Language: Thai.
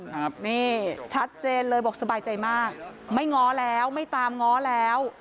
ครับนี่ชัดเจนเลยบอกสบายใจมากไม่ง้อแล้วไม่ตามง้อแล้ว